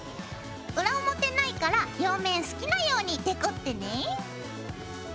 裏表ないから両面好きなようにデコってね。